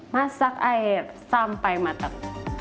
masak air sampai matang